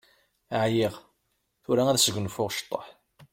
Ɛyiɣ, tura ad sgunfuɣ ctuḥ.